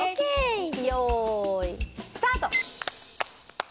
よいスタート！